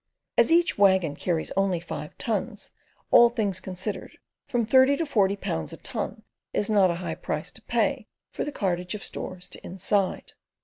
As each waggon carries only five tons, all things considered, from thirty to forty pounds a ton is not a high price to pay for the cartage of stores to "inside."